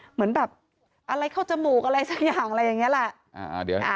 เหมือนแบบอะไรเข้าจมูกอะไรสักอย่างอะไรอย่างนี้แหละ